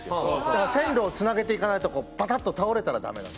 だから線路をつなげていかないとバタッと倒れたらダメ。